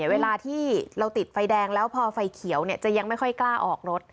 เวลาที่เราติดไฟแดงแล้วพอไฟเขียวจะยังไม่ค่อยกล้าออกรถ